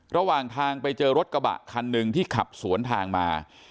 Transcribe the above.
ระหว่างทางไปเจอรถกระบะคันหนึ่งที่ขับสวนทางมา